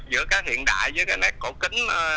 giữa hiện đại với nét cổ kính